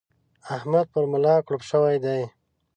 احمد پر ملا کړوپ شوی دی.